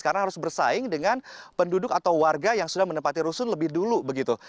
karena harus bersaing dengan penduduk atau warga yang sudah menempati rusun lebih dulu begitu